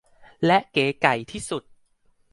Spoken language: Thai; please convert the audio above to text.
และเก๋ไก๋ที่สุด